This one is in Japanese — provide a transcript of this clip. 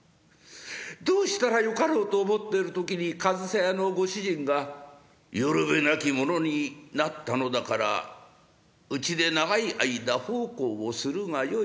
どうしたらよかろうと思ってる時に上総屋のご主人が『寄る辺なき者になったのだからうちで長い間奉公をするがよい。